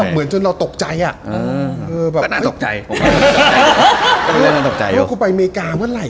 เหมือนจนเราตกใจอะ